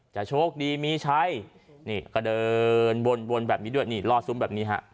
จะโชคดีมีชัยกระเดินวนแบบนี้ด้วยรอดสุมแบบนี้ฮะ